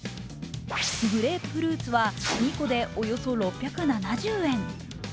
グレープフルーツは２個でおよそ６７０円。